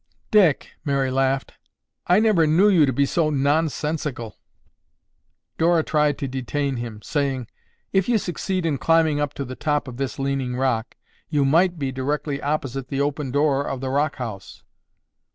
"Dick," Mary laughed, "I never knew you to be so nonsensical." Dora tried to detain him, saying, "If you succeed in climbing up to the top of this leaning rock, you might be directly opposite the open door of the rock house."